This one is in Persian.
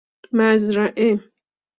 مزرعه